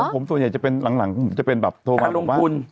ผมส่วนใหญ่จะเป็นหลังผมจะเป็นแบบโทรมาบอกว่า